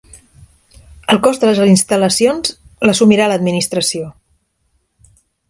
El cost de les instal·lacions l'assumirà l'Administració.